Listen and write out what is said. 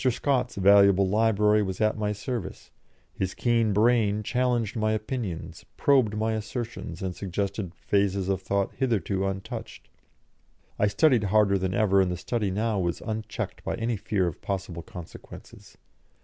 Scott's valuable library was at my service; his keen brain challenged my opinions, probed my assertions, and suggested phases of thought hitherto untouched. I studied harder than ever, and the study now was unchecked by any fear of possible consequences.